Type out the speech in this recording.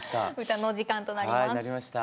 歌のお時間となります。